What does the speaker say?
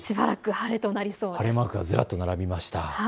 晴れマークがずらっと並びました。